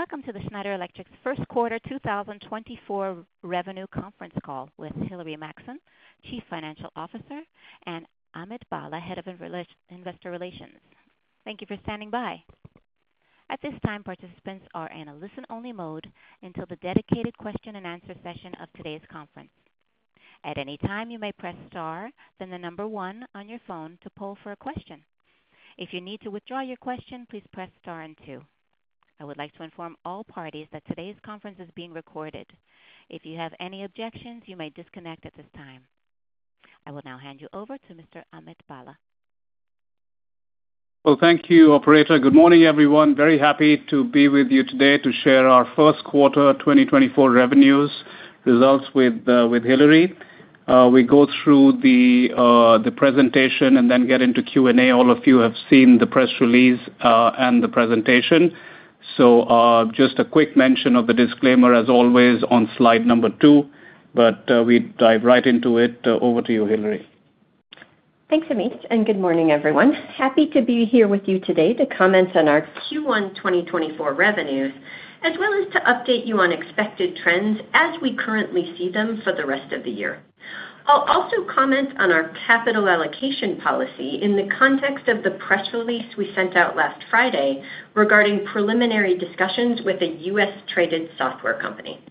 Welcome to the Schneider Electric's First Quarter 2024 Revenue Conference Call with Hilary Maxson, Chief Financial Officer, and Amit Bhalla, Head of Investor Relations. Thank you for standing by. At this time, participants are in a listen-only mode until the dedicated Q&A session of today's conference. At any time, you may press star, then the number one, on your phone to ask a question. If you need to withdraw your question, please press star and two. I would like to inform all parties that today's conference is being recorded. If you have any objections, you may disconnect at this time. I will now hand you over to Mr. Amit Bhalla. Well, thank you, Operator. Good morning, everyone. Very happy to be with you today to share our first quarter 2024 revenues results with Hilary. We go through the presentation and then get into Q&A. All of you have seen the press release, and the presentation. So, just a quick mention of the disclaimer, as always, on slide number two, but we dive right into it. Over to you, Hilary. Thanks, Amit, and good morning, everyone. Happy to be here with you today to comment on our Q1 2024 revenues, as well as to update you on expected trends as we currently see them for the rest of the year. I'll also comment on our capital allocation policy in the context of the press release we sent out last Friday regarding preliminary discussions with a U.S.-traded software company.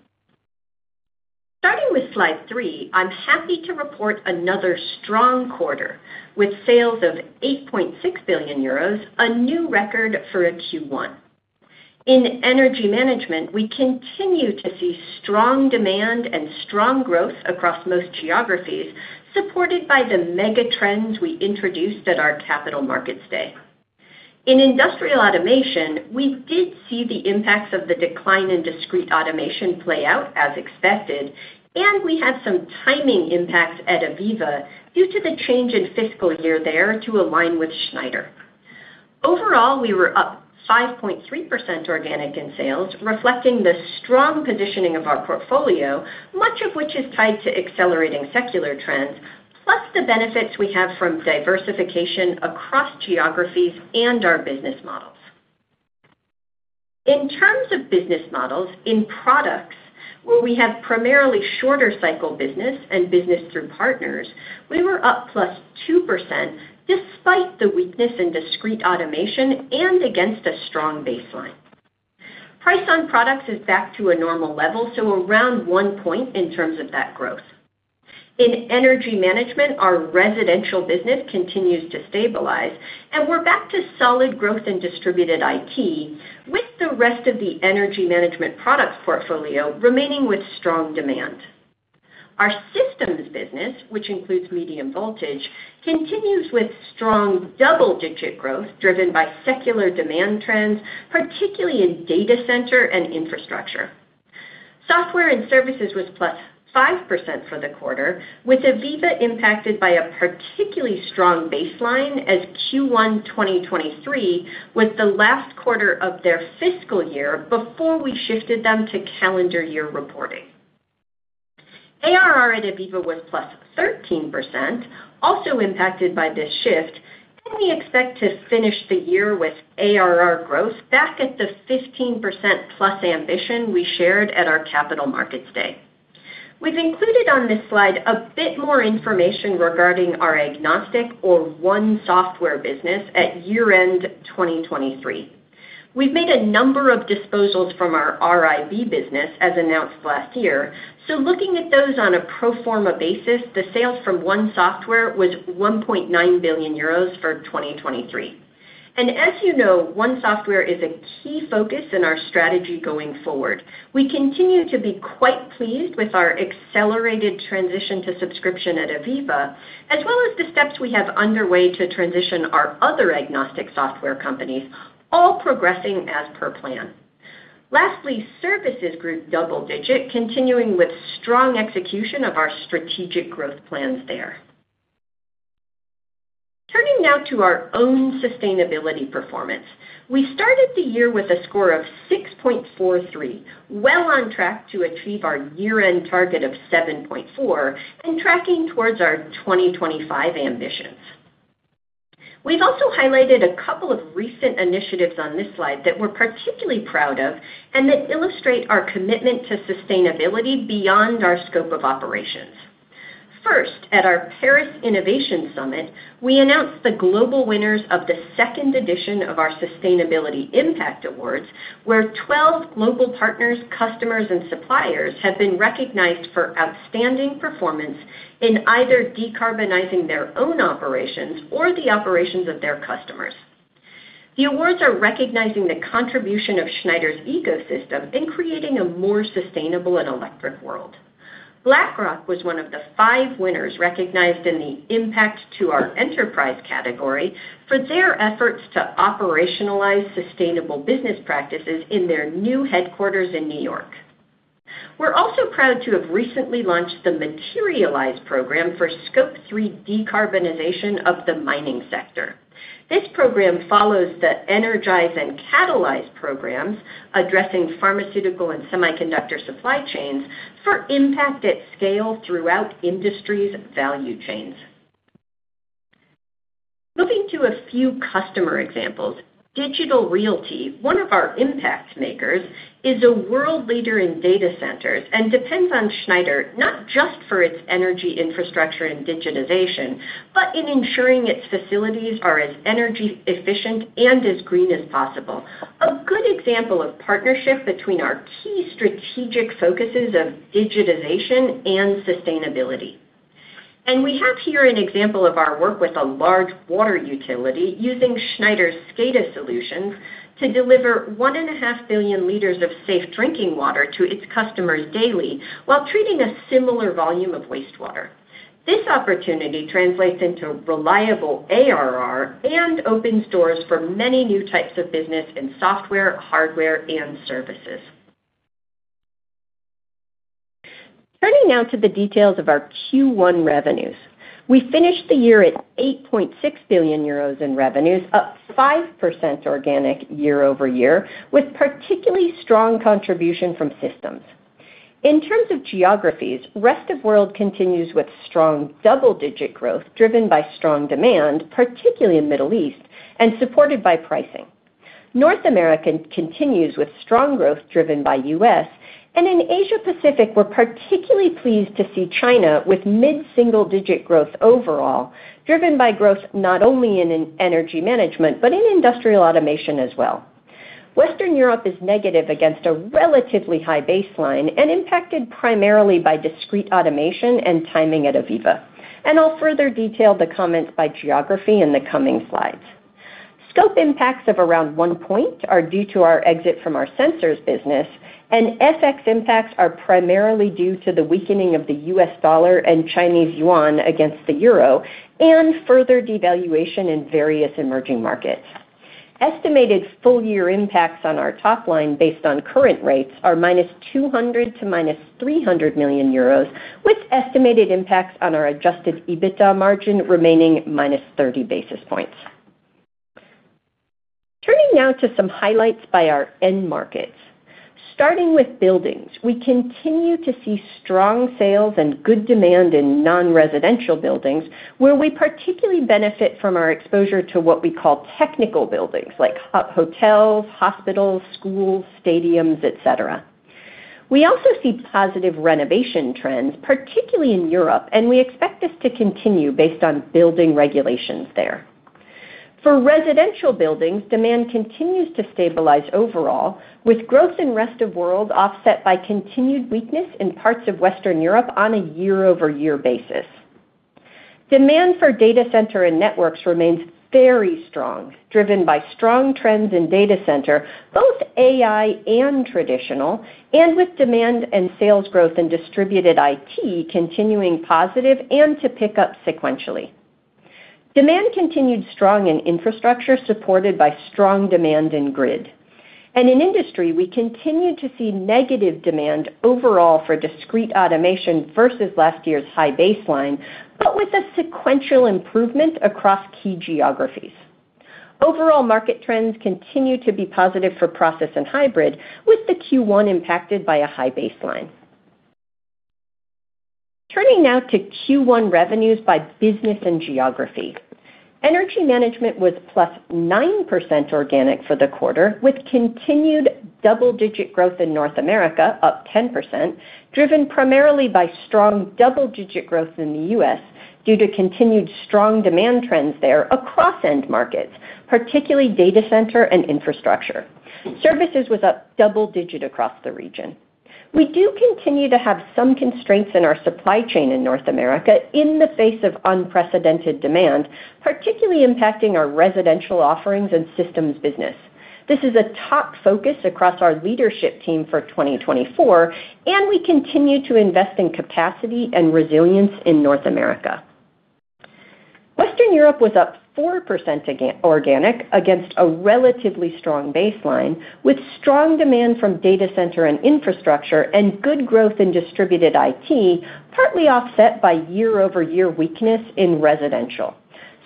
Starting with slide three, I'm happy to report another strong quarter with sales of 8.6 billion euros, a new record for a Q1. In energy management, we continue to see strong demand and strong growth across most geographies, supported by the megatrends we introduced at our Capital Markets Day. In industrial automation, we did see the impacts of the decline in discrete automation play out as expected, and we had some timing impacts at AVEVA due to the change in fiscal year there to align with Schneider. Overall, we were up 5.3% organic in sales, reflecting the strong positioning of our portfolio, much of which is tied to accelerating secular trends, plus the benefits we have from diversification across geographies and our business models. In terms of business models, in products, where we have primarily shorter-cycle business and business through partners, we were up +2% despite the weakness in discrete automation and against a strong baseline. Price on products is back to a normal level, so around 1 point in terms of that growth. In energy management, our residential business continues to stabilize, and we're back to solid growth in distributed IT, with the rest of the energy management products portfolio remaining with strong demand. Our systems business, which includes medium voltage, continues with strong double-digit growth driven by secular demand trends, particularly in data center and infrastructure. Software and services was +5% for the quarter, with AVEVA impacted by a particularly strong baseline as Q1 2023 was the last quarter of their fiscal year before we shifted them to calendar year reporting. ARR at AVEVA was +13%, also impacted by this shift, and we expect to finish the year with ARR growth back at the 15%+ ambition we shared at our Capital Markets Day. We've included on this slide a bit more information regarding our agnostic, or one software, business at year-end 2023. We've made a number of disposals from our RIB business, as announced last year, so looking at those on a pro forma basis, the sales from One Software was 1.9 billion euros for 2023. And as you know, One Software is a key focus in our strategy going forward. We continue to be quite pleased with our accelerated transition to subscription at AVEVA, as well as the steps we have underway to transition our other agnostic software companies, all progressing as per plan. Lastly, services grew double-digit, continuing with strong execution of our strategic growth plans there. Turning now to our own sustainability performance. We started the year with a score of 6.43, well on track to achieve our year-end target of 7.4 and tracking towards our 2025 ambitions. We've also highlighted a couple of recent initiatives on this slide that we're particularly proud of and that illustrate our commitment to sustainability beyond our scope of operations. First, at our Paris Innovation Summit, we announced the global winners of the second edition of our Sustainability Impact Awards, where 12 global partners, customers, and suppliers have been recognized for outstanding performance in either decarbonizing their own operations or the operations of their customers. The awards are recognizing the contribution of Schneider's ecosystem in creating a more sustainable and electric world. BlackRock was one of the five winners recognized in the Impact to Our Enterprise category for their efforts to operationalize sustainable business practices in their new headquarters in New York. We're also proud to have recently launched the Materialize program for Scope 3 decarbonization of the mining sector. This program follows the Energize and Catalyze programs, addressing pharmaceutical and semiconductor supply chains, for impact at scale throughout industries' value chains. Moving to a few customer examples, Digital Realty, one of our impact makers, is a world leader in data centers and depends on Schneider not just for its energy infrastructure and digitization, but in ensuring its facilities are as energy-efficient and as green as possible, a good example of partnership between our key strategic focuses of digitization and sustainability. We have here an example of our work with a large water utility using Schneider's SCADA solutions to deliver 1.5 billion liters of safe drinking water to its customers daily while treating a similar volume of wastewater. This opportunity translates into reliable ARR and opens doors for many new types of business in software, hardware, and services. Turning now to the details of our Q1 revenues. We finished the year at 8.6 billion euros in revenues, up 5% organic year over year, with particularly strong contribution from systems. In terms of geographies, the rest of the world continues with strong double-digit growth driven by strong demand, particularly in the Middle East, and supported by pricing. North America continues with strong growth driven by the US, and in Asia-Pacific, we're particularly pleased to see China with mid-single-digit growth overall, driven by growth not only in energy management but in industrial automation as well. Western Europe is negative against a relatively high baseline and impacted primarily by discrete automation and timing at AVEVA, and I'll further detail the comments by geography in the coming slides. Scope impacts of around 1 point are due to our exit from our sensors business, and FX impacts are primarily due to the weakening of the US dollar and Chinese yuan against the euro and further devaluation in various emerging markets. Estimated full-year impacts on our top line based on current rates are -200 million to -300 million euros, with estimated impacts on our Adjusted EBITDA margin remaining minus 30 basis points. Turning now to some highlights by our end markets. Starting with buildings, we continue to see strong sales and good demand in non-residential buildings, where we particularly benefit from our exposure to what we call technical buildings like hotels, hospitals, schools, stadiums, etc. We also see positive renovation trends, particularly in Europe, and we expect this to continue based on building regulations there. For residential buildings, demand continues to stabilize overall, with growth in the rest of the world offset by continued weakness in parts of Western Europe on a year-over-year basis. Demand for data center and networks remains very strong, driven by strong trends in data center, both AI and traditional, and with demand and sales growth in distributed IT continuing positive and to pick up sequentially. Demand continued strong in infrastructure supported by strong demand in grid. And in industry, we continue to see negative demand overall for discrete automation versus last year's high baseline, but with a sequential improvement across key geographies. Overall market trends continue to be positive for process and hybrid, with the Q1 impacted by a high baseline. Turning now to Q1 revenues by business and geography. Energy management was +9% organic for the quarter, with continued double-digit growth in North America, up 10%, driven primarily by strong double-digit growth in the US due to continued strong demand trends there across end markets, particularly data center and infrastructure. Services was up double-digit across the region. We do continue to have some constraints in our supply chain in North America in the face of unprecedented demand, particularly impacting our residential offerings and systems business. This is a top focus across our leadership team for 2024, and we continue to invest in capacity and resilience in North America. Western Europe was up 4% organic against a relatively strong baseline, with strong demand from data center and infrastructure and good growth in distributed IT, partly offset by year-over-year weakness in residential.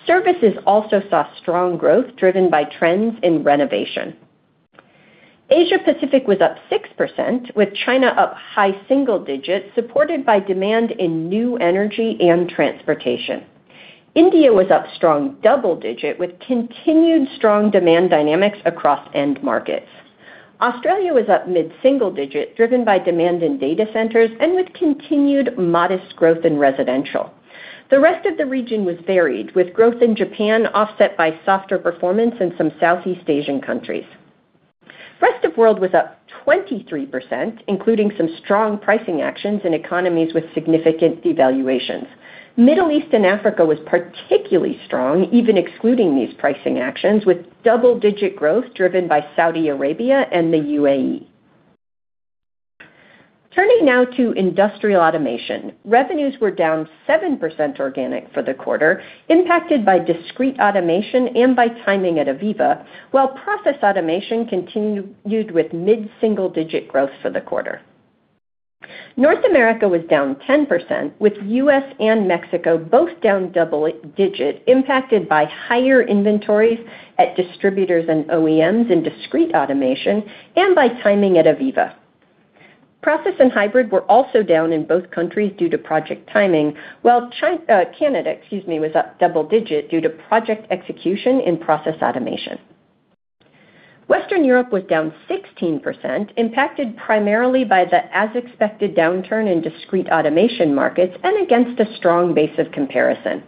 Services also saw strong growth driven by trends in renovation. Asia-Pacific was up 6%, with China up high single-digit supported by demand in new energy and transportation. India was up strong double-digit with continued strong demand dynamics across end markets. Australia was up mid-single-digit driven by demand in data centers and with continued modest growth in residential. The rest of the region was varied, with growth in Japan offset by softer performance in some Southeast Asian countries. The rest of the world was up 23%, including some strong pricing actions in economies with significant devaluations. The Middle East and Africa was particularly strong, even excluding these pricing actions, with double-digit growth driven by Saudi Arabia and the UAE. Turning now to industrial automation. Revenues were down 7% organic for the quarter, impacted by discrete automation and by timing at AVEVA, while process automation continued with mid-single-digit growth for the quarter. North America was down 10%, with the U.S. and Mexico both down double-digit, impacted by higher inventories at distributors and OEMs in discrete automation and by timing at AVEVA. Process and hybrid were also down in both countries due to project timing, while China, Canada, excuse me, was up double-digit due to project execution in process automation. Western Europe was down 16%, impacted primarily by the as-expected downturn in discrete automation markets and against a strong base of comparison.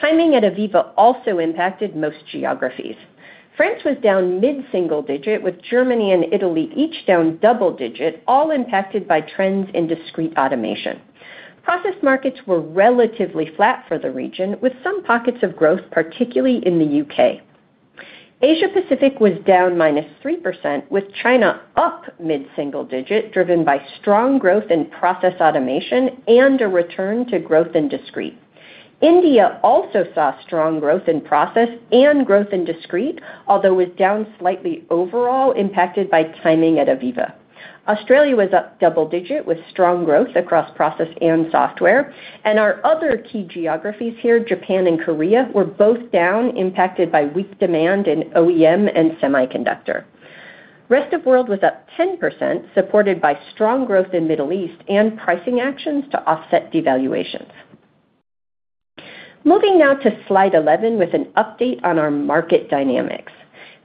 Timing at AVEVA also impacted most geographies. France was down mid-single-digit, with Germany and Italy each down double-digit, all impacted by trends in discrete automation. Process markets were relatively flat for the region, with some pockets of growth, particularly in the U.K. Asia-Pacific was down -3%, with China up mid-single-digit driven by strong growth in process automation and a return to growth in discrete. India also saw strong growth in process and growth in discrete, although was down slightly overall, impacted by timing at AVEVA. Australia was up double-digit with strong growth across process and software, and our other key geographies here, Japan and Korea, were both down, impacted by weak demand in OEM and semiconductor. The rest of the world was up 10%, supported by strong growth in the Middle East and pricing actions to offset devaluations. Moving now to slide 11 with an update on our market dynamics.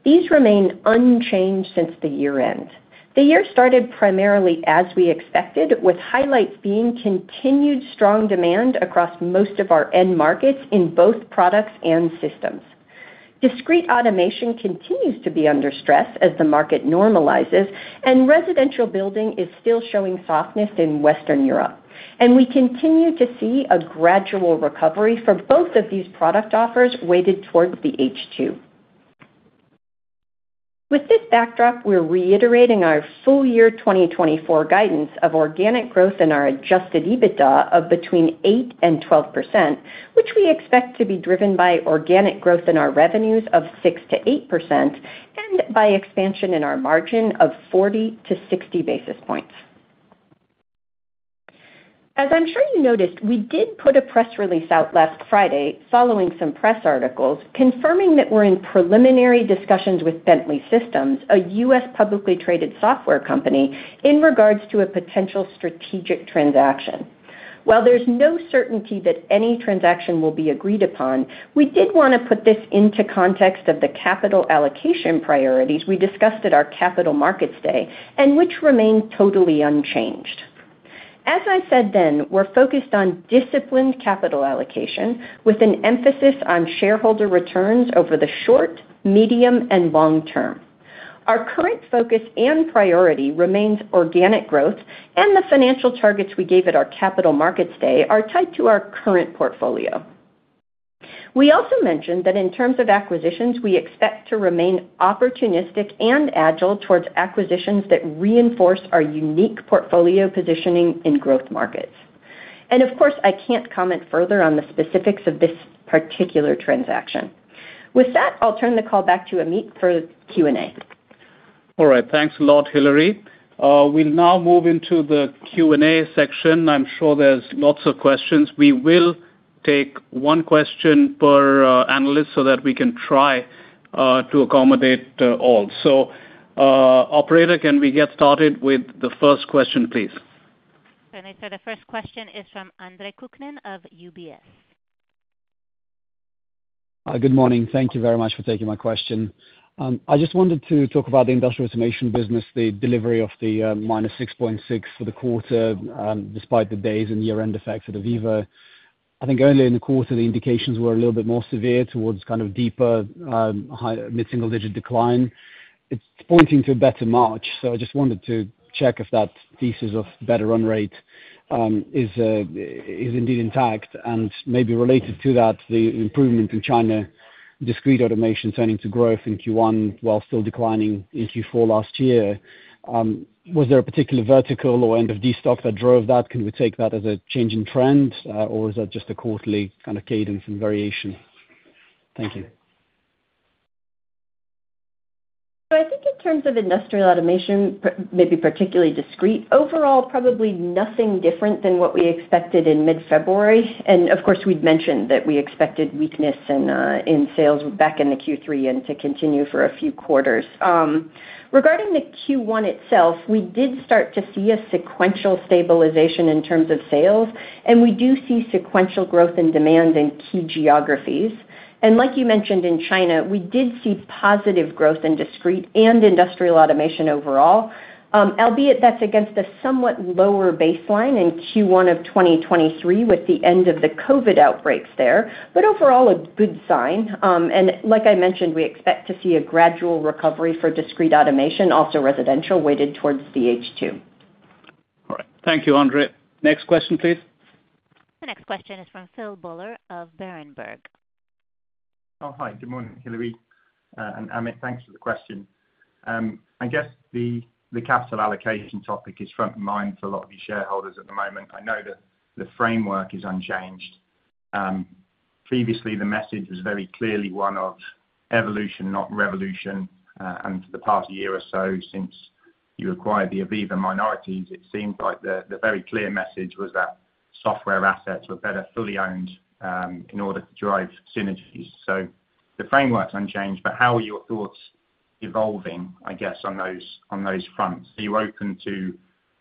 These remain unchanged since the year-end. The year started primarily as we expected, with highlights being continued strong demand across most of our end markets in both products and systems. Discrete automation continues to be under stress as the market normalizes, and residential building is still showing softness in Western Europe. We continue to see a gradual recovery for both of these product offers weighted towards the H2. With this backdrop, we're reiterating our full-year 2024 guidance of organic growth in our Adjusted EBITDA of between 8%-12%, which we expect to be driven by organic growth in our revenues of 6%-8% and by expansion in our margin of 40-60 basis points. As I'm sure you noticed, we did put a press release out last Friday following some press articles confirming that we're in preliminary discussions with Bentley Systems, a U.S. publicly traded software company, in regards to a potential strategic transaction. While there's no certainty that any transaction will be agreed upon, we did want to put this into context of the capital allocation priorities we discussed at our Capital Markets Day, and which remain totally unchanged. As I said then, we're focused on disciplined capital allocation with an emphasis on shareholder returns over the short, medium, and long term. Our current focus and priority remains organic growth, and the financial targets we gave at our Capital Markets Day are tied to our current portfolio. We also mentioned that in terms of acquisitions, we expect to remain opportunistic and agile towards acquisitions that reinforce our unique portfolio positioning in growth markets. Of course, I can't comment further on the specifics of this particular transaction. With that, I'll turn the call back to Amit for Q&A. All right. Thanks a lot, Hilary. We'll now move into the Q&A section. I'm sure there's lots of questions. We will take one question per analyst so that we can try to accommodate all. So, operator, can we get started with the first question, please? Okay. So the first question is from Andre Kukhnin of UBS. Good morning. Thank you very much for taking my question. I just wanted to talk about the industrial automation business, the delivery of the -6.6% for the quarter despite the days and year-end effects at AVEVA. I think only in the quarter the indications were a little bit more severe towards kind of deeper mid-single-digit decline. It's pointing to a better March, so I just wanted to check if that thesis of better run rate is indeed intact. And maybe related to that, the improvement in China, discrete automation turning to growth in Q1 while still declining in Q4 last year. Was there a particular vertical or end-market stock that drove that? Can we take that as a change in trend, or is that just a quarterly kind of cadence and variation? Thank you. So I think in terms of industrial automation, maybe particularly discrete, overall probably nothing different than what we expected in mid-February. And of course, we'd mentioned that we expected weakness in sales back in the Q3 and to continue for a few quarters. Regarding the Q1 itself, we did start to see a sequential stabilization in terms of sales, and we do see sequential growth in demand in key geographies. And like you mentioned in China, we did see positive growth in discrete and industrial automation overall, albeit that's against a somewhat lower baseline in Q1 of 2023 with the end of the COVID outbreaks there, but overall a good sign. And like I mentioned, we expect to see a gradual recovery for discrete automation, also residential, weighted towards the H2. All right. Thank you, Andre. Next question, please. The next question is from Phil Buller of Berenberg. Oh, hi. Good morning, Hilary. And Amit, thanks for the question. I guess the capital allocation topic is front of mind for a lot of these shareholders at the moment. I know the framework is unchanged. Previously, the message was very clearly one of evolution, not revolution. And for the past year or so since you acquired the AVEVA minorities, it seemed like the very clear message was that software assets were better fully owned in order to drive synergies. So the framework's unchanged, but how are your thoughts evolving, I guess, on those fronts? Are you open to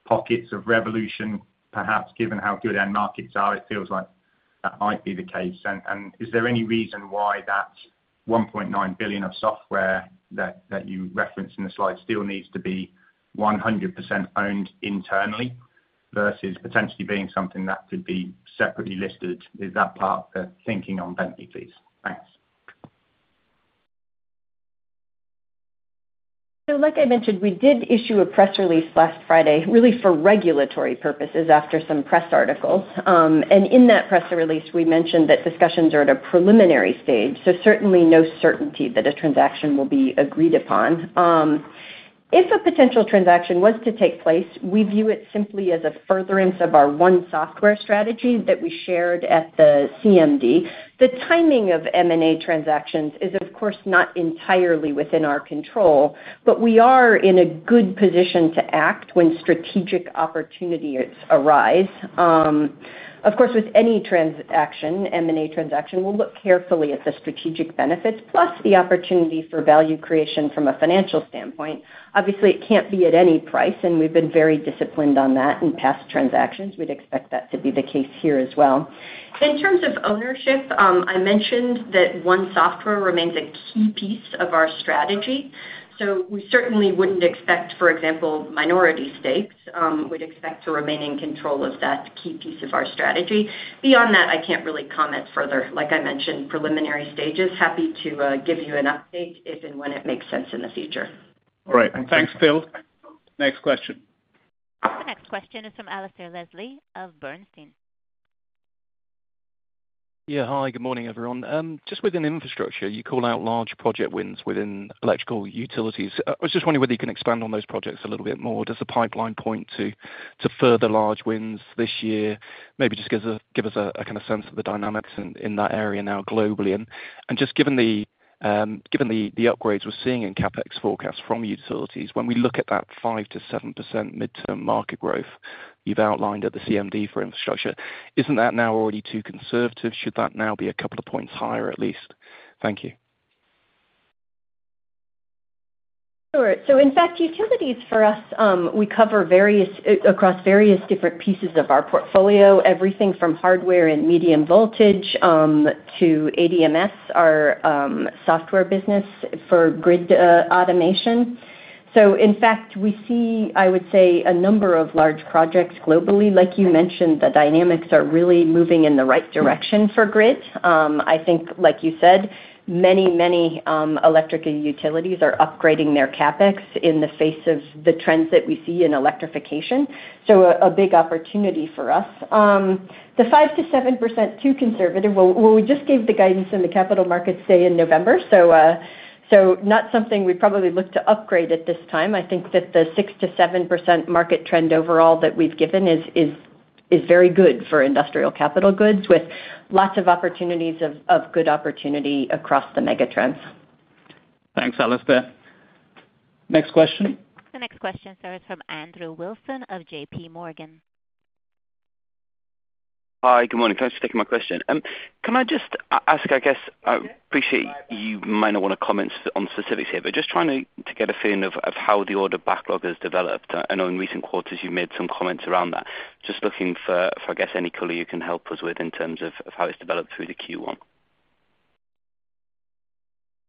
pockets of revolution, perhaps given how good end markets are? It feels like that might be the case. And is there any reason why that 1.9 billion of software that you referenced in the slide still needs to be 100% owned internally versus potentially being something that could be separately listed? Is that part of the thinking on Bentley, please? Thanks. So like I mentioned, we did issue a press release last Friday, really for regulatory purposes after some press articles. And in that press release, we mentioned that discussions are at a preliminary stage, so certainly no certainty that a transaction will be agreed upon. If a potential transaction was to take place, we view it simply as a furtherance of our one software strategy that we shared at the CMD. The timing of M&A transactions is, of course, not entirely within our control, but we are in a good position to act when strategic opportunities arise. Of course, with any transaction, M&A transaction, we'll look carefully at the strategic benefits, plus the opportunity for value creation from a financial standpoint. Obviously, it can't be at any price, and we've been very disciplined on that in past transactions. We'd expect that to be the case here as well. In terms of ownership, I mentioned that One Software remains a key piece of our strategy. So we certainly wouldn't expect, for example, minority stakes. We'd expect to remain in control of that key piece of our strategy. Beyond that, I can't really comment further. Like I mentioned, preliminary stages. Happy to give you an update if and when it makes sense in the future. All right. Thanks, Phil. Next question. The next question is from Alasdair Leslie of Bernstein. Yeah. Hi. Good morning, everyone. Just within infrastructure, you call out large project wins within electrical utilities. I was just wondering whether you can expand on those projects a little bit more. Does the pipeline point to further large wins this year? Maybe just give us a kind of sense of the dynamics in that area now globally. Just given the upgrades we're seeing in CapEx forecasts from utilities, when we look at that 5%-7% mid-term market growth you've outlined at the CMD for infrastructure, isn't that now already too conservative? Should that now be a couple of points higher, at least? Thank you. Sure. So in fact, utilities for us, we cover across various different pieces of our portfolio, everything from hardware and medium voltage to ADMS, our software business for grid automation. So in fact, we see, I would say, a number of large projects globally. Like you mentioned, the dynamics are really moving in the right direction for grid. I think, like you said, many, many electrical utilities are upgrading their CapEx in the face of the trends that we see in electrification. So a big opportunity for us. The 5%-7%, too conservative. Well, we just gave the guidance in the Capital Markets Day in November, so not something we'd probably look to upgrade at this time. I think that the 6%-7% market trend overall that we've given is very good for industrial capital goods with lots of opportunities of good opportunity across the megatrends. Thanks, Alistair. Next question. The next question, sir, is from Andrew Wilson of J.P. Morgan. Hi. Good morning. Thanks for taking my question. Can I just ask, I guess I appreciate you might not want to comment on specifics here, but just trying to get a feeling of how the order backlog has developed. I know in recent quarters you've made some comments around that, just looking for, I guess, any color you can help us with in terms of how it's developed through the Q1.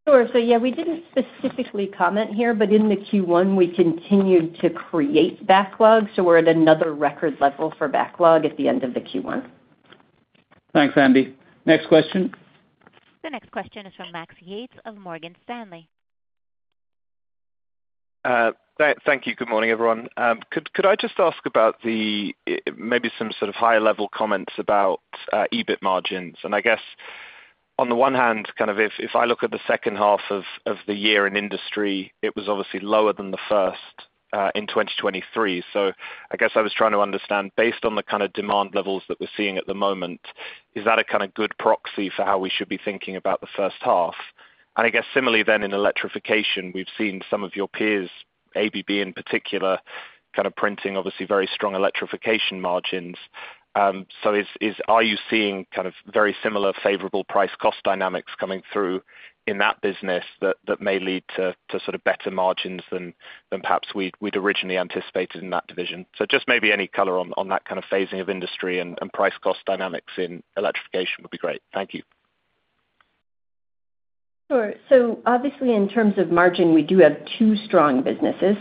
Sure. So yeah, we didn't specifically comment here, but in the Q1, we continued to create backlog, so we're at another record level for backlog at the end of the Q1. Thanks, Andy. Next question. The next question is from Max Yates of Morgan Stanley. Thank you. Good morning, everyone. Could I just ask about maybe some sort of higher-level comments about EBIT margins? And I guess on the one hand, kind of if I look at the second half of the year in industry, it was obviously lower than the first in 2023. So I guess I was trying to understand, based on the kind of demand levels that we're seeing at the moment, is that a kind of good proxy for how we should be thinking about the first half? I guess similarly then, in electrification, we've seen some of your peers, ABB in particular, kind of printing obviously very strong electrification margins. So are you seeing kind of very similar favorable price-cost dynamics coming through in that business that may lead to sort of better margins than perhaps we'd originally anticipated in that division? So just maybe any color on that kind of phasing of industry and price-cost dynamics in electrification would be great. Thank you. Sure. So obviously, in terms of margin, we do have two strong businesses.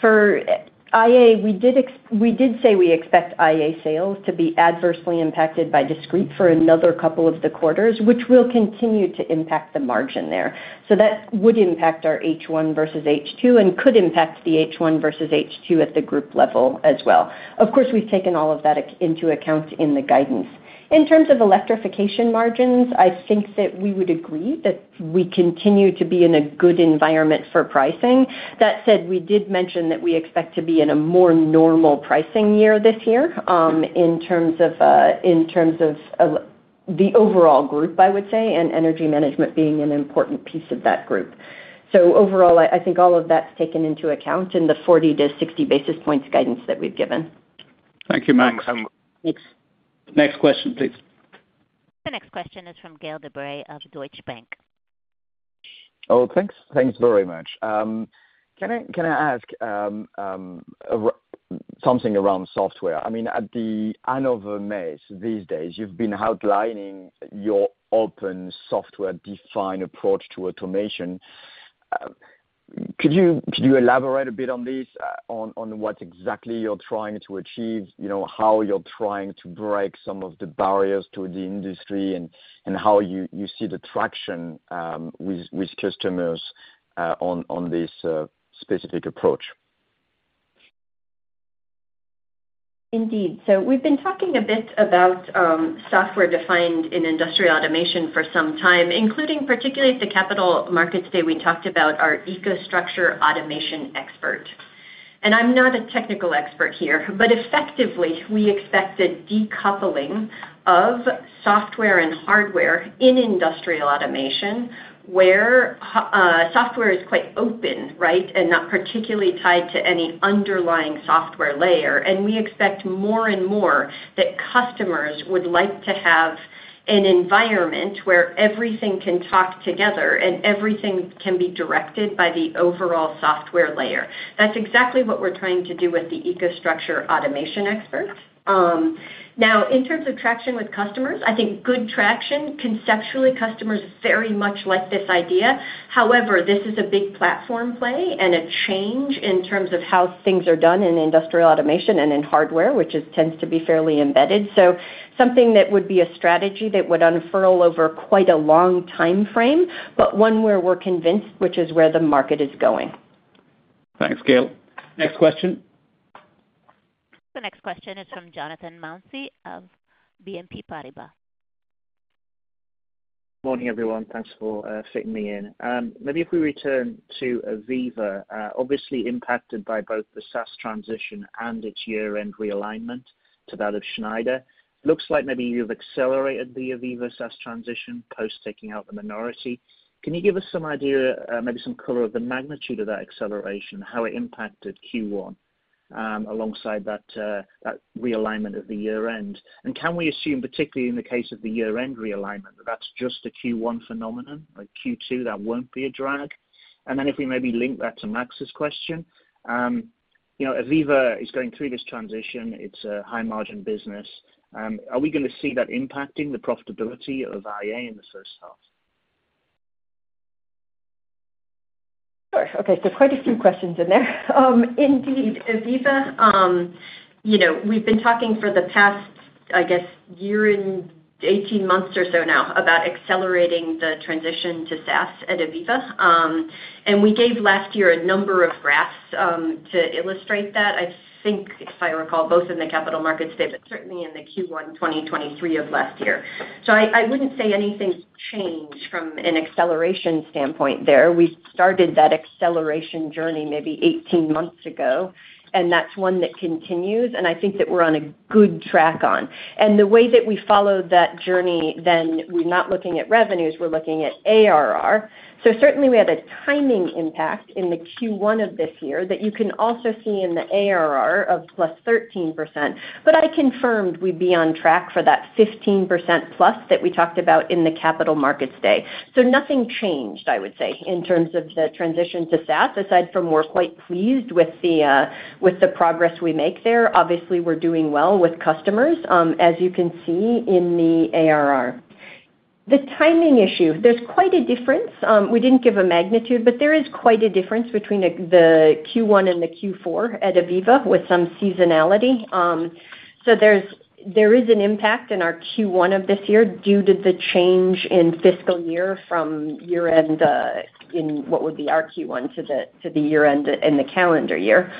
For IA, we did say we expect IA sales to be adversely impacted by discrete for another couple of the quarters, which will continue to impact the margin there. So that would impact our H1 versus H2 and could impact the H1 versus H2 at the group level as well. Of course, we've taken all of that into account in the guidance. In terms of electrification margins, I think that we would agree that we continue to be in a good environment for pricing. That said, we did mention that we expect to be in a more normal pricing year this year in terms of the overall group, I would say, and energy management being an important piece of that group. So overall, I think all of that's taken into account in the 40-60 basis points guidance that we've given. Thank you, Max. Thanks. Next question, please. The next question is from Gaël de Bray of Deutsche Bank. Oh, thanks. Thanks very much. Can I ask something around software? I mean, at the anniversary of May, so these days, you've been outlining your open software-defined approach to automation. Could you elaborate a bit on this, on what exactly you're trying to achieve, how you're trying to break some of the barriers to the industry, and how you see the traction with customers on this specific approach? Indeed. So we've been talking a bit about software-defined in industrial automation for some time, including particularly at the Capital Markets Day we talked about our EcoStruxure Automation Expert. And I'm not a technical expert here, but effectively, we expect a decoupling of software and hardware in industrial automation where software is quite open, right, and not particularly tied to any underlying software layer. And we expect more and more that customers would like to have an environment where everything can talk together and everything can be directed by the overall software layer. That's exactly what we're trying to do with the EcoStruxure Automation Expert. Now, in terms of traction with customers, I think good traction, conceptually, customers very much like this idea. However, this is a big platform play and a change in terms of how things are done in industrial automation and in hardware, which tends to be fairly embedded. So something that would be a strategy that would unfurl over quite a long timeframe, but one where we're convinced, which is where the market is going. Thanks, Gaël. Next question. The next question is from Jonathan Mounsey of BNP Paribas. Good morning, everyone. Thanks for fitting me in. Maybe if we return to AVEVA, obviously impacted by both the SaaS transition and its year-end realignment to that of Schneider, it looks like maybe you've accelerated the AVEVA-SaaS transition post-taking out the minority. Can you give us some idea, maybe some color of the magnitude of that acceleration, how it impacted Q1 alongside that realignment of the year-end? And can we assume, particularly in the case of the year-end realignment, that that's just a Q1 phenomenon? Like Q2, that won't be a drag? And then if we maybe link that to Max's question, AVEVA is going through this transition. It's a high-margin business. Are we going to see that impacting the profitability of IA in the first half? Sure. Okay. So quite a few questions in there. Indeed, AVEVA, we've been talking for the past, I guess, year and 18 months or so now about accelerating the transition to SaaS at AVEVA. We gave last year a number of graphs to illustrate that, I think if I recall, both in the Capital Markets Day but certainly in the Q1 2023 of last year. I wouldn't say anything changed from an acceleration standpoint there. We started that acceleration journey maybe 18 months ago, and that's one that continues. I think that we're on a good track on. The way that we followed that journey then, we're not looking at revenues. We're looking at ARR. Certainly, we had a timing impact in the Q1 of this year that you can also see in the ARR of +13%. I confirmed we'd be on track for that 15%+ that we talked about in the Capital Markets Day. So nothing changed, I would say, in terms of the transition to SaaS, aside from we're quite pleased with the progress we make there. Obviously, we're doing well with customers, as you can see in the ARR. The timing issue, there's quite a difference. We didn't give a magnitude, but there is quite a difference between the Q1 and the Q4 at AVEVA with some seasonality. So there is an impact in our Q1 of this year due to the change in fiscal year from year-end in what would be our Q1 to the year-end in the calendar year.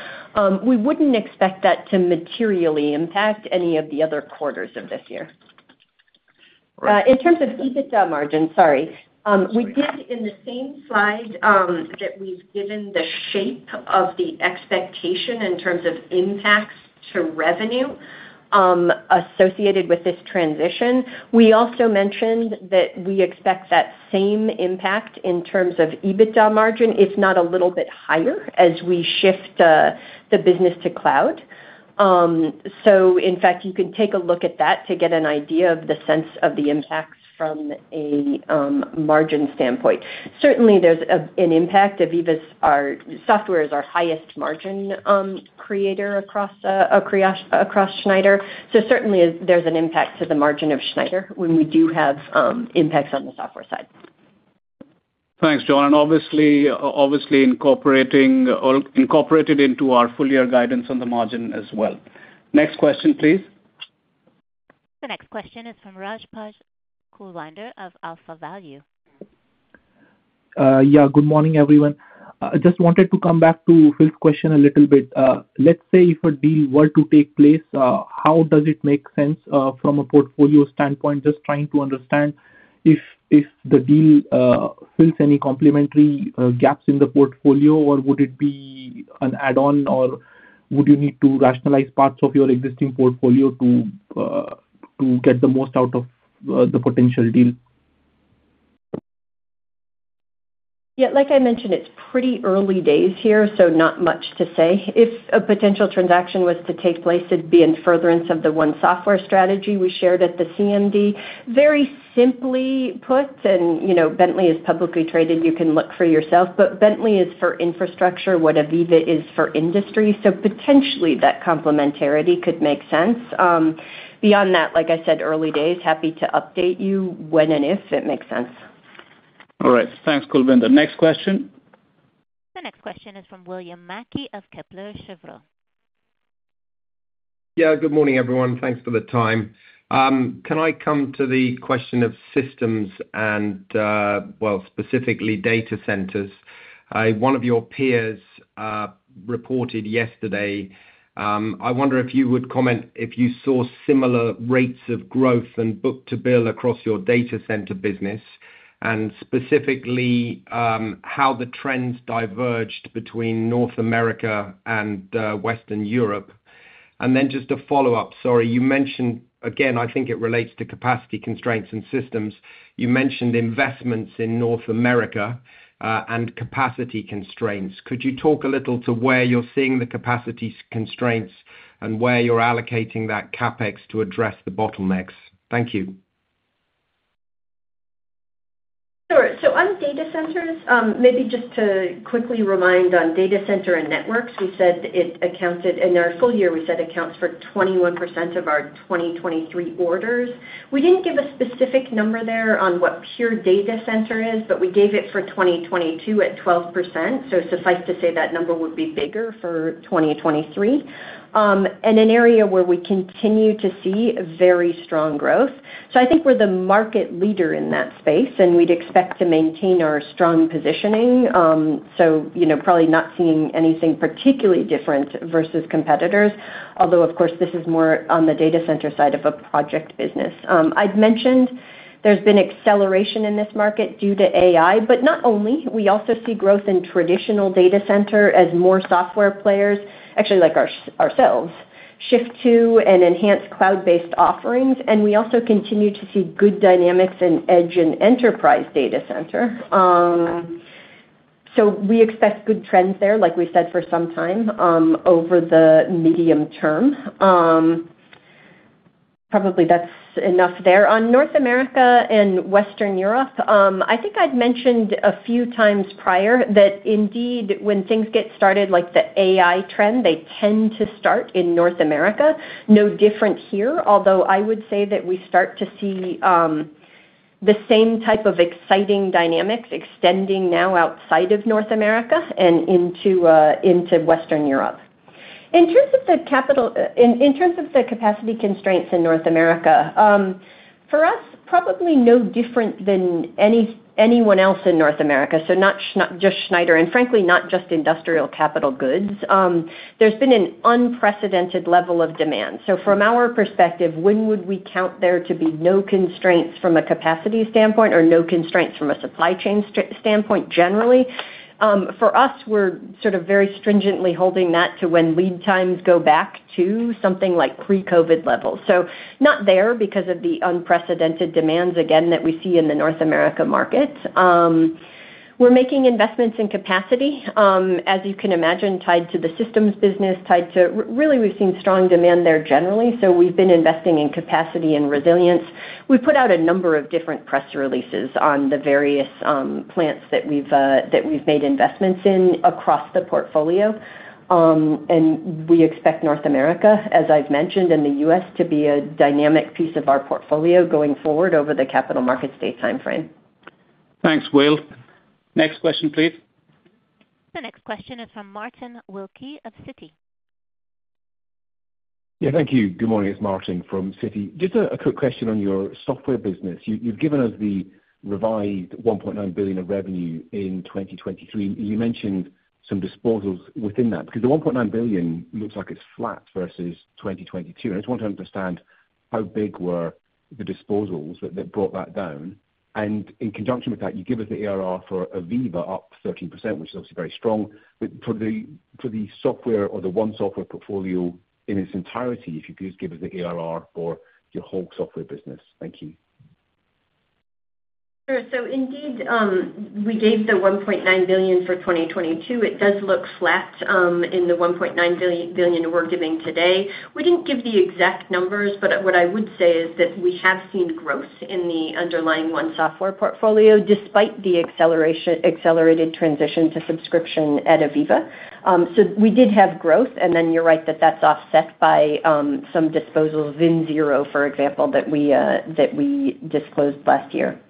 We wouldn't expect that to materially impact any of the other quarters of this year. In terms of EBIT margins, sorry, we did in the same slide that we've given the shape of the expectation in terms of impacts to revenue associated with this transition. We also mentioned that we expect that same impact in terms of EBIT margin, if not a little bit higher, as we shift the business to cloud. So in fact, you can take a look at that to get an idea of the sense of the impacts from a margin standpoint. Certainly, there's an impact. AVEVA's software is our highest margin creator across Schneider. So certainly, there's an impact to the margin of Schneider when we do have impacts on the software side. Thanks, John. And obviously, incorporated into our full-year guidance on the margin as well. Next question, please. The next question is from Kulwinder Rajpal of AlphaValue. Yeah. Good morning, everyone. I just wanted to come back to Phil's question a little bit. Let's say if a deal were to take place, how does it make sense from a portfolio standpoint, just trying to understand if the deal fills any complementary gaps in the portfolio, or would it be an add-on, or would you need to rationalize parts of your existing portfolio to get the most out of the potential deal? Yeah. Like I mentioned, it's pretty early days here, so not much to say. If a potential transaction was to take place, it'd be in furtherance of the one software strategy we shared at the CMD. Very simply put, and Bentley is publicly traded. You can look for yourself. But Bentley is for infrastructure, what AVEVA is for industry. So potentially, that complementarity could make sense. Beyond that, like I said, early days, happy to update you when and if it makes sense. All right. Thanks, Kulwinder. Next question. The next question is from William Mackie of Kepler Cheuvreux. Yeah. Good morning, everyone. Thanks for the time. Can I come to the question of systems and, well, specifically, data centers? One of your peers reported yesterday. I wonder if you would comment if you saw similar rates of growth and book-to-bill across your data center business, and specifically how the trends diverged between North America and Western Europe. And then just a follow-up, sorry. Again, I think it relates to capacity constraints and systems. You mentioned investments in North America and capacity constraints. Could you talk a little to where you're seeing the capacity constraints and where you're allocating that CapEx to address the bottlenecks? Thank you. Sure. So on data centers, maybe just to quickly remind on data center and networks, we said it accounted in our full year, we said accounts for 21% of our 2023 orders. We didn't give a specific number there on what pure data center is, but we gave it for 2022 at 12%. So suffice to say that number would be bigger for 2023, in an area where we continue to see very strong growth. So I think we're the market leader in that space, and we'd expect to maintain our strong positioning. So probably not seeing anything particularly different versus competitors, although, of course, this is more on the data center side of a project business. I'd mentioned there's been acceleration in this market due to AI, but not only. We also see growth in traditional data center as more software players—actually, like ourselves—shift to and enhance cloud-based offerings. And we also continue to see good dynamics in edge and enterprise data center. So we expect good trends there, like we said, for some time over the medium term. Probably that's enough there on North America and Western Europe. I think I'd mentioned a few times prior that indeed, when things get started, like the AI trend, they tend to start in North America. No different here, although I would say that we start to see the same type of exciting dynamics extending now outside of North America and into Western Europe. In terms of the capital in terms of the capacity constraints in North America, for us, probably no different than anyone else in North America, so not just Schneider, and frankly, not just industrial capital goods. There's been an unprecedented level of demand. So from our perspective, when would we count there to be no constraints from a capacity standpoint or no constraints from a supply chain standpoint, generally? For us, we're sort of very stringently holding that to when lead times go back to something like pre-COVID levels. So not there because of the unprecedented demands, again, that we see in the North America market. We're making investments in capacity, as you can imagine, tied to the systems business, tied to really, we've seen strong demand there generally. So we've been investing in capacity and resilience. We've put out a number of different press releases on the various plants that we've made investments in across the portfolio. And we expect North America, as I've mentioned, and the US to be a dynamic piece of our portfolio going forward over the Capital Markets Day timeframe. Thanks, Will. Next question, please. The next question is from Martin Wilkie of Citi. Yeah. Thank you. Good morning, it's Martin from Citi. Just a quick question on your software business. You've given us the revised 1.9 billion of revenue in 2023. You mentioned some disposals within that because the 1.9 billion looks like it's flat versus 2022. And I just want to understand how big were the disposals that brought that down. And in conjunction with that, you give us the ARR for AVEVA up 13%, which is obviously very strong. But for the software or the One Software portfolio in its entirety, if you could just give us the ARR for your whole software business. Thank you. Sure. So indeed, we gave the 1.9 billion for 2022. It does look flat in the 1.9 billion we're giving today. We didn't give the exact numbers, but what I would say is that we have seen growth in the underlying One Software portfolio despite the accelerated transition to subscription at AVEVA. So we did have growth, and then you're right that that's offset by some disposals in RIB, for example, that we disclosed last year.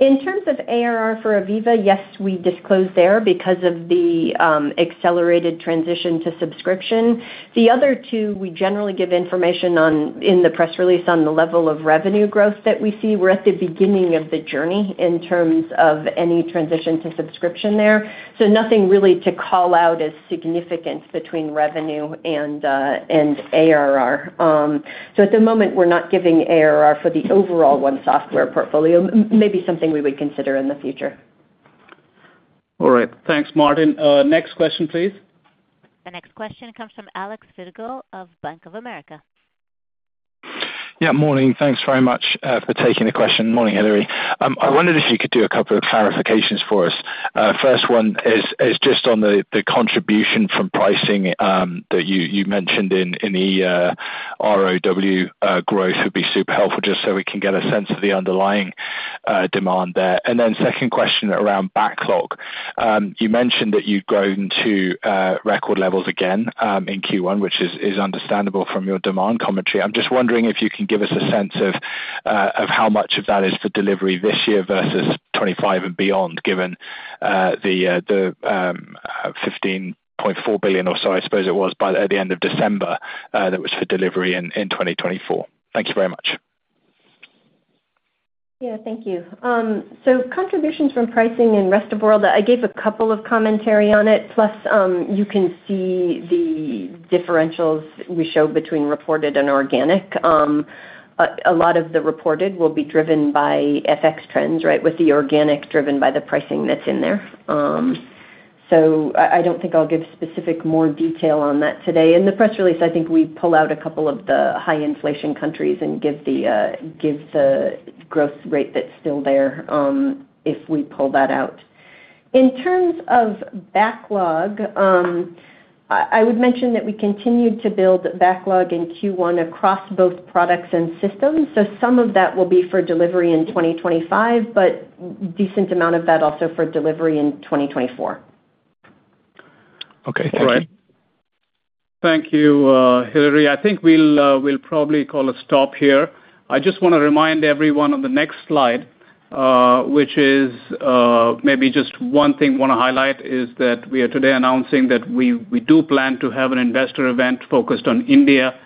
In terms of ARR for AVEVA, yes, we disclosed there because of the accelerated transition to subscription. The other two, we generally give information in the press release on the level of revenue growth that we see. We're at the beginning of the journey in terms of any transition to subscription there. So nothing really to call out as significant between revenue and ARR. So at the moment, we're not giving ARR for the overall One Software portfolio, maybe something we would consider in the future. All right. Thanks, Martin. Next question, please. The next question comes from Alex Virgo of Bank of America. Yeah. Morning. Thanks very much for taking the question. Morning, Hilary. I wondered if you could do a couple of clarifications for us. First one is just on the contribution from pricing that you mentioned in the ROW growth would be super helpful just so we can get a sense of the underlying demand there. And then second question around backlog. You mentioned that you'd grown to record levels again in Q1, which is understandable from your demand commentary. I'm just wondering if you can give us a sense of how much of that is for delivery this year versus 2025 and beyond, given the 15.4 billion or so, I suppose it was, at the end of December that was for delivery in 2024. Thank you very much. Yeah. Thank you. So contributions from pricing in rest of world, I gave a couple of commentary on it, plus you can see the differentials we show between reported and organic. A lot of the reported will be driven by FX trends, right, with the organic driven by the pricing that's in there. So I don't think I'll give specific more detail on that today. In the press release, I think we pull out a couple of the high-inflation countries and give the growth rate that's still there if we pull that out. In terms of backlog, I would mention that we continued to build backlog in Q1 across both products and systems. So some of that will be for delivery in 2025, but a decent amount of that also for delivery in 2024. Okay. Thank you. All right. Thank you, Hilary. I think we'll probably call a stop here. I just want to remind everyone on the next slide, which is maybe just one thing I want to highlight, is that we are today announcing that we do plan to have an investor event focused on India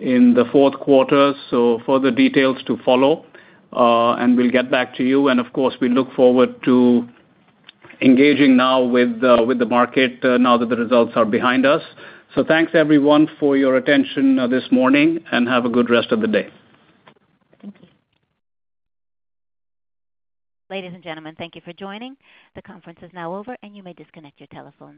in the fourth quarter. So further details to follow, and we'll get back to you. And of course, we look forward to engaging now with the market now that the results are behind us. So thanks, everyone, for your attention this morning, and have a good rest of the day. Ladies and gentlemen, thank you for joining. The conference is now over, and you may disconnect your telephone.